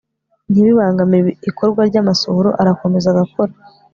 ntibibangamire ikorwa ry'amasohoro arakomeza agakora